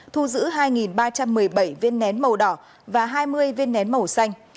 thu giữ hai ba trăm một mươi bảy viên nén màu đỏ và hai mươi viên nén màu xanh